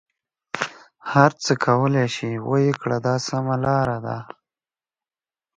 هر څه کولای شې ویې کړه دا سمه لاره ده.